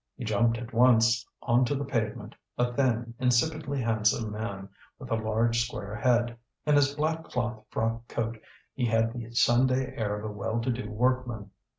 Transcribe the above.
He jumped at once on to the pavement, a thin, insipidly handsome man, with a large square head; in his black cloth frock coat he had the Sunday air of a well to do workman.